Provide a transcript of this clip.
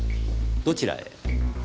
どちらへ？